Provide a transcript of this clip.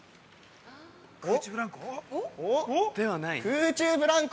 空中ブランコ？